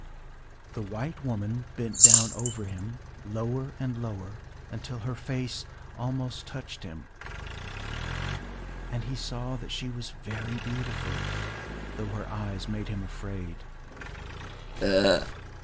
The white woman bent down over him, lower and lower, until her face almost touched him; and he saw that she was very beautiful,—though her eyes made him afraid.